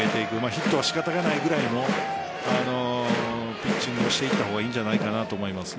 ヒットは仕方がないくらいのピッチングをしていった方がいいんじゃないかなと思います。